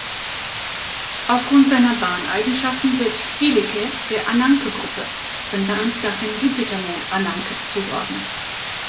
Aufgrund seiner Bahneigenschaften wird Helike der Ananke-Gruppe, benannt nach dem Jupitermond Ananke, zugeordnet.